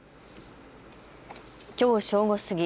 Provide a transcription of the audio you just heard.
きょう正午過ぎ